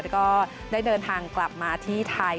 แล้วก็ได้เดินทางกลับมาที่ไทย